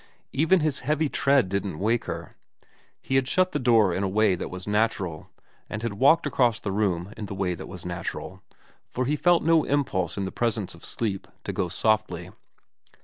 Even his heavy tread didn't wake her. He had shut the door in the way that was natural, and had walked across the room in the way that was natural, for he felt no impulse in the presence of sleep to go softly.